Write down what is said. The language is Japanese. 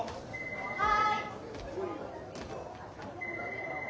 はい。